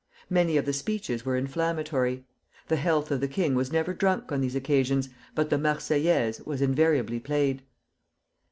Many of the speeches were inflammatory. The health of the king was never drunk on these occasions, but the "Marseillaise" was invariably played.